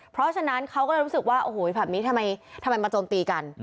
เพราะฉะนั้นเขาก็เลยรู้สึกว่าโอ้โหแบบนี้ทำไมมาโจมตีกัน